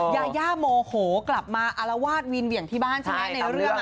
ยาย่าโมโหกลับมาอารวาสวีนเหวี่ยงที่บ้านใช่ไหมในเรื่อง